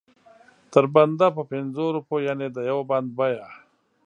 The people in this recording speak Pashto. تر بنده په پنځو روپو یعنې د یو بند بیه.